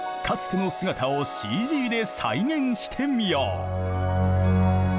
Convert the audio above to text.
かつての姿をＣＧで再現してみよう！